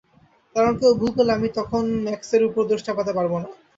কারণ কেউ ভুল করলে, আমি তখন ম্যাক্সের উপর দোষ চাপাতে পারব না।